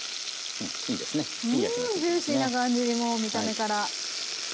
うんジューシーな感じにもう見た目から。